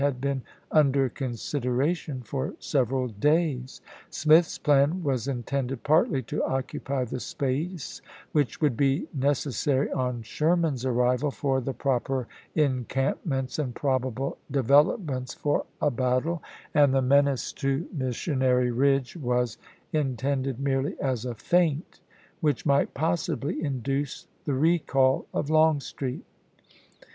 ' had been under consideration for several days. p. 57.' Smith's plan was intended partly to occupy the space which would be necessary, on Sherman's arrival, for the proper encampments and probable developments for a battle, and the menace to Mis VoL. VIII.— 9 130 ABRAHAM LINCOLN Chap. V. sionary Ridge was intended merely as a feint which might possibly induce the recall of Long street.